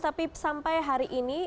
tapi sampai hari ini